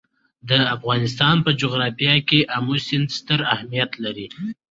د افغانستان په جغرافیه کې آمو سیند ستر اهمیت لري.